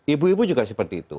ibu ibu juga seperti itu